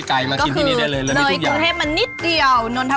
มันแยกไปหลายอย่างอะ